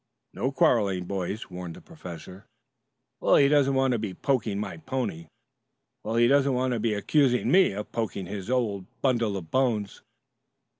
"No quarreling, boys," warned the professor. "Well, he doesn't want to be poking my pony!" "Well, he doesn't want to be accusing me of poking his old bundle of bones."